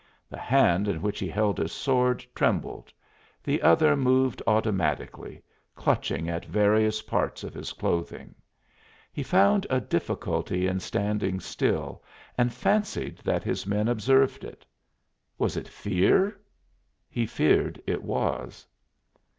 The hand in which he held his sword trembled; the other moved automatically, clutching at various parts of his clothing. He found a difficulty in standing still and fancied that his men observed it. Was it fear? He feared it was.